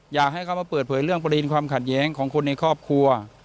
อยากให้เขามาเปิดเผยเรื่องประเด็นความขัดแย้งของคนในครอบครัว